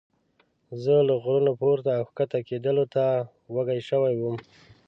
زه له غرونو پورته او ښکته کېدلو ښه وږی شوی وم.